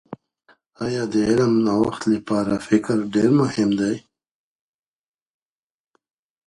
آیا د علم د نوښت لپاره فکر ډېر مهم دي؟